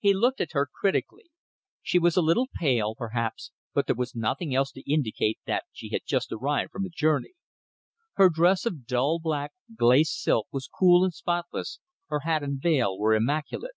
He looked at her critically. She was a little pale, perhaps, but there was nothing else to indicate that she had just arrived from a journey. Her dress of dull black glace silk was cool and spotless, her hat and veil were immaculate.